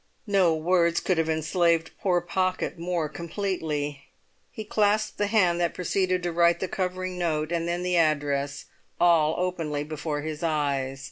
No words could have enslaved poor Pocket more completely; he clasped the hand that proceeded to write the covering note, and then the address, all openly before his eyes.